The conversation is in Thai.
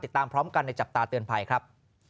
ติดตามพร้อมกันในจับตาเตือนภัยครับ